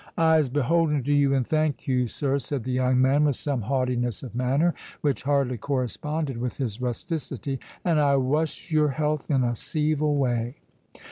"I'se beholden to you, and thank you, sir," said the young man, with some haughtiness of manner, which hardly corresponded with his rusticity; "and I wuss your health in a ceevil way."